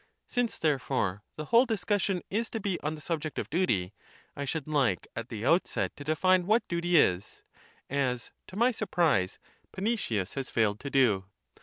Since, therefore, the whole discussion is to be on the subject of duty, I should hke at the outset to define what duty is, as, to my surprise, Panaetius has failed to do.